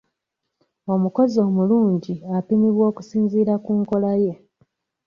Omukozi omulungi apimibwa kusinziira ku nkola ye.